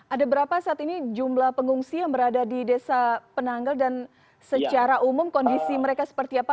ada berapa saat ini jumlah pengungsi yang berada di desa penanggal dan secara umum kondisi mereka seperti apa